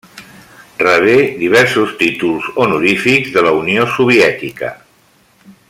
Rebé diversos títols honorífics de la Unió Soviètica.